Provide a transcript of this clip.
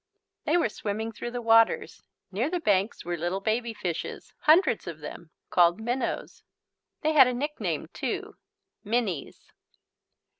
They were swimming through the waters. Near the banks were little baby fishes, hundreds of them, called minnows. They had a nickname too, "minnies."